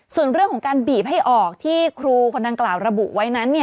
ส่วนเรื่องของการบีบให้ออกที่ครูคนดังกล่าวระบุไว้นั้น